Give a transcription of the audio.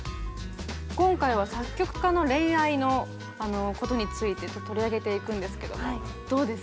今回は作曲家の恋愛のことについて取り上げていくんですけどもどうですか？